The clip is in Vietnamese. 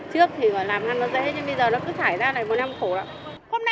hôm nay là bọn em làm ăn nó khó khăn hơn trước